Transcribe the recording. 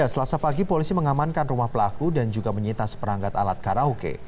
selasa pagi polisi mengamankan rumah pelaku dan juga menyita seperangkat alat karaoke